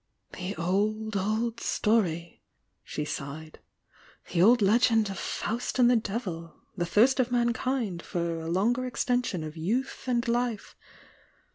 "The old, old story!" she sighed. "The old legend of Faust and the devil!— the thirst of mankind for a longer extension of youth and life!